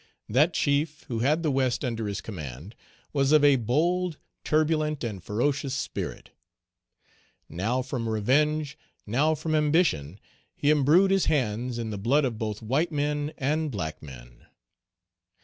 That chief, who had the West under his command, was of a bold, turbulent, and ferocious spirit; now from revenge, now from ambition, he imbrued his hands in the blood of both white men and black men.